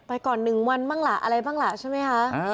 ไปก่อนหนึ่งวันบ้างละอะไรบ้างละใช่มั้ยฮะ